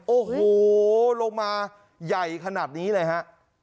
โอ้โหลงมาใหญ่ขนาดนี้เลยฮะ